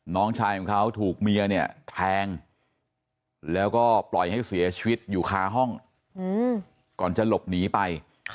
น้องชายของเขาถูกเมียเนี่ยแทงแล้วก็ปล่อยให้เสียชีวิตอยู่คาห้องก่อนจะหลบหนีไป